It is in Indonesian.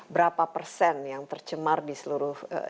berapa persen yang tercemar di seluruh indonesia